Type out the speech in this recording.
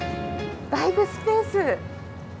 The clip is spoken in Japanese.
ライブスペース。